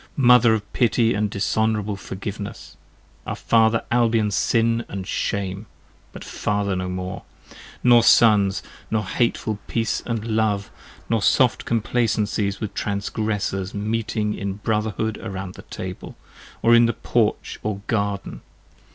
Mother of pity and dishonourable forgiveness! Our Father Albion's sin and shame! But father now no more! Nor sons, nor hateful peace & love, nor soft complacencies 15 With transgressors meeting in brotherhood around the table, Or in the porch or garden.